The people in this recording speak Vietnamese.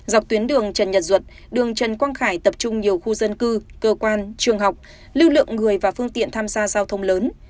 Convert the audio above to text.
dọc tuyến đường trần nhật duật đường trần quang khải tập trung nhiều khu dân cư cơ quan trường học lưu lượng người và phương tiện tham gia giao thông lớn